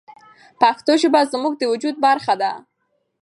پښتو ژبه زموږ د وجود برخه ده.